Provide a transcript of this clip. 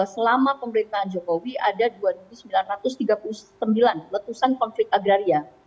selama pemerintahan jokowi ada dua sembilan ratus tiga puluh sembilan letusan konflik agraria